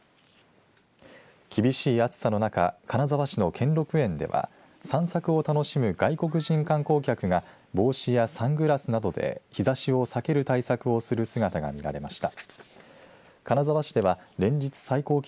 厳しい暑さの中金沢市の兼六園では散策を楽しむ外国人観光客が帽子やサングラスなどを身に着け日ざしを避ける対策をする姿が見られました。